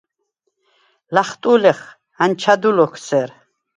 ლახტუ̄ლეხ: “ანჩადუ ლოქ სერ”.